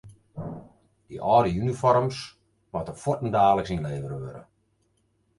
De âlde unifoarms moatte fuortdaliks ynlevere wurde.